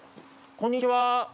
こんにちは。